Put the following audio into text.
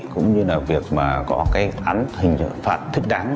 cũng như việc có án hình dự phạt thích đáng